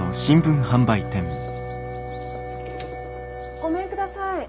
ごめんください。